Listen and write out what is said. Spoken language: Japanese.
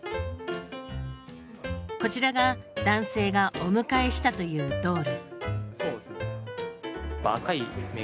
こちらが男性が「お迎えした」というドール。